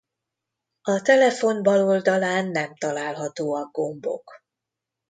A telefon bal oldalán nem találhatóak gombok.